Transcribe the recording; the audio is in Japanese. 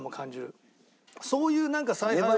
そういうなんか采配を。